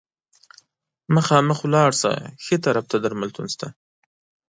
مخامخ ولاړ شه، ښي طرف ته درملتون شته.